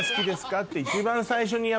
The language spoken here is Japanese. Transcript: って。